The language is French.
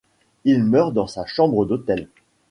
Il meurt dans sa chambre d’hôtel.